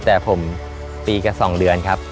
แต่ผมปีก็สองเดือนครับ